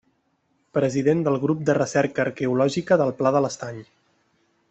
President del Grup de Recerca Arqueològica del Pla de l’Estany.